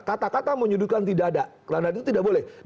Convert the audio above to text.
kata kata menyudutkan tidak ada radar itu tidak boleh